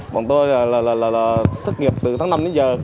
bọn tôi là thất nghiệp từ tháng năm đến giờ